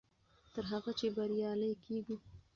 تر هغه چې بریالي کېږو.